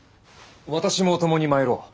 私も共に参ろう。